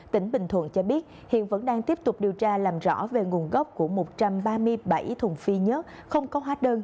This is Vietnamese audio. tỉnh bình thuận cho biết hiện vẫn đang tiếp tục điều tra làm rõ về nguồn gốc của một trăm ba mươi bảy thùng phi nhớt không có hóa đơn